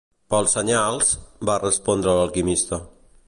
"Pels senyals", va respondre l'Alquimista.